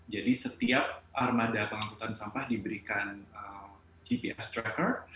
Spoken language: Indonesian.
jadi setiap armada pengangkutan sampah diberikan gps tracker